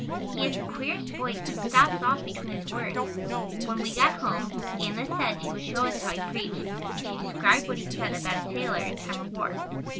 He has the queerest voice and stops off between his words. When we got home Anna said she would show us how he preached and she described what he said about a sailor in time of war.